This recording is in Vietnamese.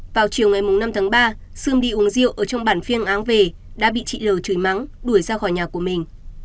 vào chiều ngày năm tháng ba sươm đi uống rượu ở trong bản phiêng áng về đã bị chị lờ chửi mắng đuổi ra khỏi nhà của mình